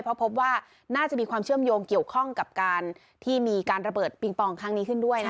เพราะพบว่าน่าจะมีความเชื่อมโยงเกี่ยวข้องกับการที่มีการระเบิดปิงปองครั้งนี้ขึ้นด้วยนะคะ